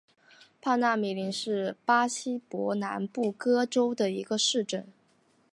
帕纳米林是巴西伯南布哥州的一个市镇。